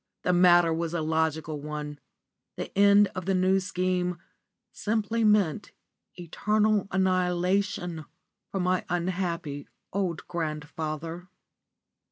The matter was a logical one; the end of the New Scheme simply meant eternal annihilation for my unhappy old grandfather.